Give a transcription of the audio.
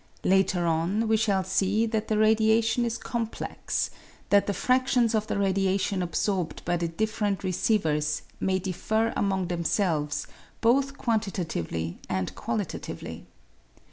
Later on, we shall see that the radiation is complex, that the fradtions of the radiation absorbed by the different receivers may differ among themselves both quantitatively and qualitatively.